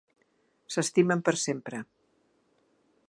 S'estimen per sempre.